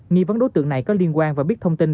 nghi vấn đối tượng này có liên quan và biết thông tin